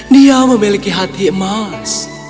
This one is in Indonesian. dia memiliki hati emas